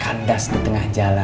kandas di tengah jalan